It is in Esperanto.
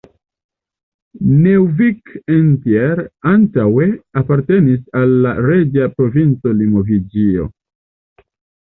Neuvic-Entier antaŭe apartenis al la reĝa provinco Limoĝio.